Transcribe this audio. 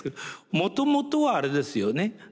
もともとはあれですよね。